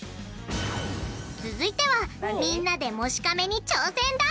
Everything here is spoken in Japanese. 続いてはみんなで「もしかめ」に挑戦だ！